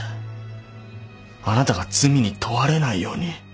あなたが罪に問われないように。